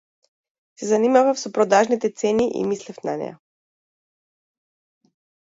Се занимавав со продажните цени и мислев на неа.